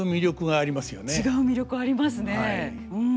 違う魅力ありますねうん。